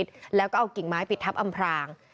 ทำร้ายจนเสียชีวิตแล้วก็เอากิ่งไม้ปิดทับอำพราง